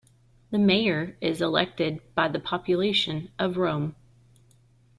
The Mayor is elected by the population of Rome.